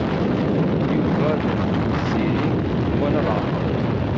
Yuba d Tiziri nwan ad ɛeṭṭlen.